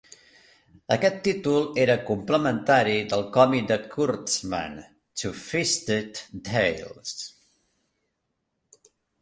Aquest títol era complementari del còmic de Kurtzman "Two-fisted tales".